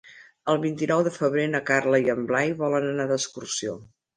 El vint-i-nou de febrer na Carla i en Blai volen anar d'excursió.